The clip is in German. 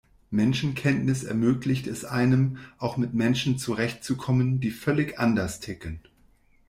Menschenkenntnis ermöglicht es einem, auch mit Menschen zurecht zu kommen, die völlig anders ticken.